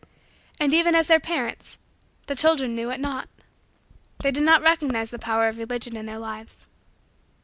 And, even as their parents, the children knew it not. They did not recognize the power of Religion in their lives.